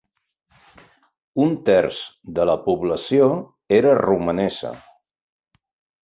Un terç de la població era romanesa.